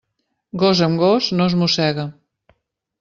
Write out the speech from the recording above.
Gos amb gos no es mossega.